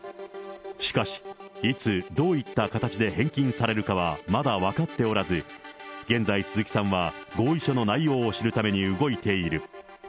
しかし、いつ、どういった形で返金されるかはまだ分かっておらず、現在、鈴木さんは合意書の内容を知るために動いている。